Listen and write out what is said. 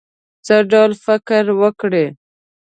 څه ډول فکر وکړی.